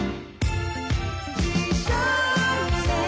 「一緒にね」